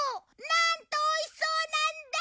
なんとおいしそうなんだ！